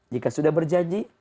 jika sudah berjanji